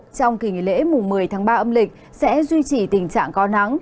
trong kỳ nghỉ lễ mùng một mươi tháng ba âm lịch sẽ duy trì tình trạng có nắng